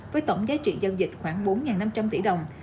với tổng giá trị giao dịch khoảng bốn năm trăm linh tỷ đồng